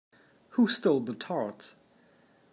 Who Stole the Tarts?